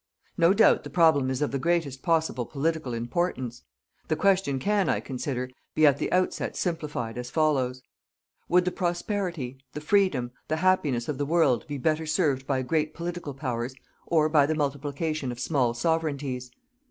No doubt the problem is of the greatest possible political importance. The question can, I consider, be at the outset simplified as follows: Would the prosperity, the freedom, the happiness of the world be better served by great political Powers, or by the multiplication of small sovereignties?